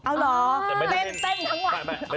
เอาหรอตั้งทั้งวัน